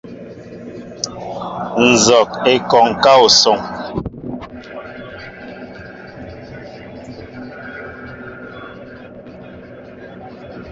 Nzog e kɔŋ ká assoŋ.